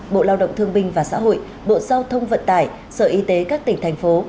bộ lao động thương binh và xã hội bộ giao thông vận tải sở y tế các tỉnh thành phố